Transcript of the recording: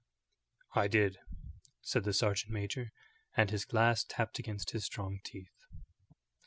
"I did," said the sergeant major, and his glass tapped against his strong teeth.